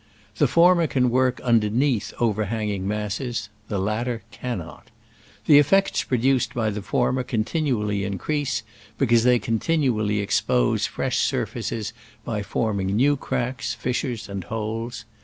The former can work under neath overhanging masses — the latter cannot. The effects produced by the former continually increase, because they continually expose fresh surfaces by forming new cracks, fissures and holes.